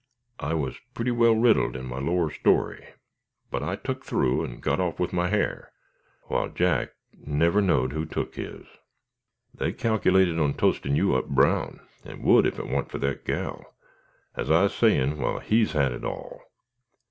I's purty well riddled in my lower story, but I tuk through and got off with my ha'r, while Jack never knowed who tuk his. They cac'lated on toastin' you up brown, and would ef it want fur that gal, as I's sayin' while he's had it all."